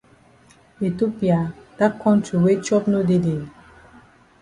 Ethiopia! Dat kontri wey chop no dey dey?